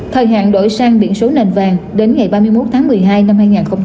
thời hạn đổi sang biển số nền vàng đến ngày ba mươi một tháng một mươi hai năm hai nghìn hai mươi